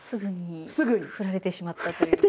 すぐに振られてしまったという。